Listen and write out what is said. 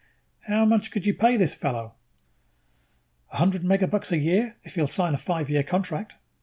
How much could you pay this fellow?" "A hundred megabucks a year, if he'll sign a five year contract.